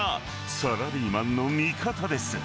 サラリーマンの味方です。